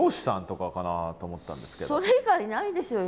それ以外ないでしょうよ